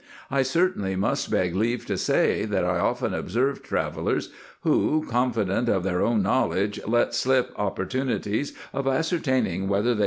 I certainly must beg leave to say, that I often observed travellers, who, confident of their own knowledge, let slip opportunities of ascertaining whether they IN EGYPT, NUBIA, &c.